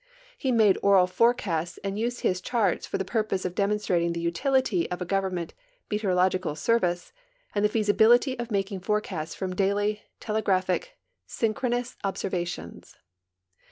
He made oral forecasts and used his charts for the purpose of demonstrating the utility of a government meteorological service and the feasibility of making forecasts from dail}' , telegraphic, synchronous observations.